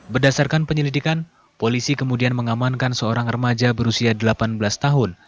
berdasarkan penyelidikan polisi kemudian mengamankan seorang remaja berusia delapan belas tahun